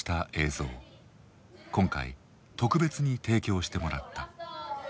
今回特別に提供してもらった。